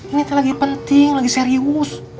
ini lagi penting lagi serius